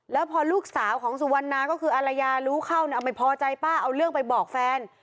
แล้วพอลูกสาวของสุวรรณาก็คืออารยารู้เข้าไม่พอใจป้าเอาเรื่องไปบอกแฟน